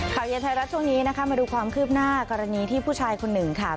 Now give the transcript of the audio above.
เย็นไทยรัฐช่วงนี้นะคะมาดูความคืบหน้ากรณีที่ผู้ชายคนหนึ่งค่ะ